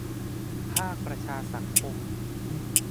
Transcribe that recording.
ภาคประชาสังคม